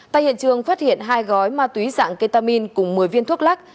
tại hiện trường phát hiện hai gói ma túy dạng ketamin cùng một mươi viên thuốc lắc